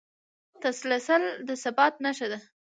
تسلسل د ثبات نښه ده.